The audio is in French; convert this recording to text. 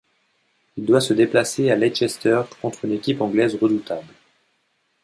Il doit se déplacer à Leicester contre une équipe anglaise redoutable.